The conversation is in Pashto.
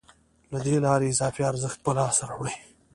له دې لارې اضافي ارزښت په لاس راوړي